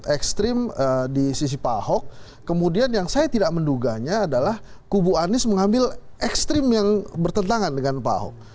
ekstrim di sisi pahok kemudian yang saya tidak menduganya adalah kubu anies mengambil ekstrim yang bertentangan dengan pahok